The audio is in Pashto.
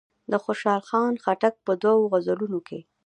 د خوشحال خان خټک په دوو غزلونو کې.